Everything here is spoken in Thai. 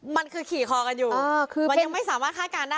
มันคือขี่คอกันอยู่คือมันยังไม่สามารถคาดการณ์ได้